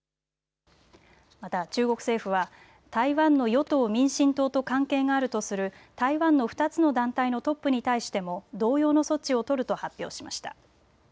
また中国政府は台湾の与党・民進党と関係があるとする台湾の２つの団体のトップに対しても同様の措置を取ると発表しました。